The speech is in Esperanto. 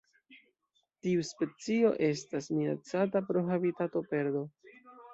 Tiu specio estas minacata pro habitatoperdo.